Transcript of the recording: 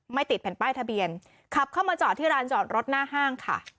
ติดแผ่นป้ายทะเบียนขับเข้ามาจอดที่ร้านจอดรถหน้าห้างค่ะ